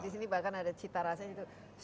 di sini bahkan ada cita rasanya itu